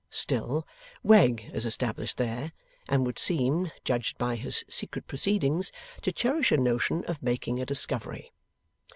Still, Wegg is established there, and would seem, judged by his secret proceedings, to cherish a notion of making a discovery.